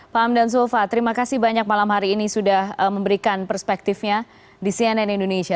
pak hamdan zulfa terima kasih banyak malam hari ini sudah memberikan perspektifnya di cnn indonesia